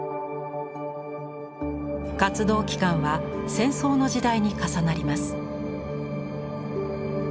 活動期間は戦争の時代に重なります。